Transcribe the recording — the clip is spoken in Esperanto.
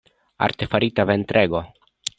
Artefarita ventrego.